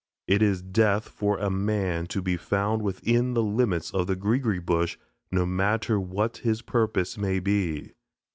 It is death for a man to be found within the limits of the "Greegree Bush," no matter what his purpose may be.